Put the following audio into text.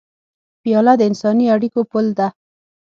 پیاله د انساني اړیکو پُل ده.